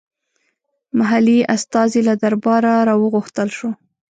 محلي استازی له درباره راوغوښتل شو.